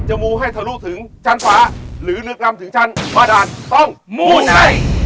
จะมูให้เถารุถึงชั้นฟ้าหรือนึกลำถึงชั้นพระดาลต้องมูไหน